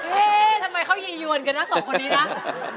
เฮ้ทำไมเขายืนอย่วงกันนะสองคนนี้นะ